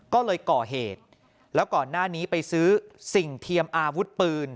ก็เลยก่อเหตุแล้วก่อนหน้านี้ไปซื้อสิ่งเทียมอาวุธปืน